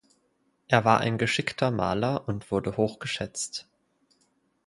Er war ein geschickter Maler und wurde hoch geschätzt.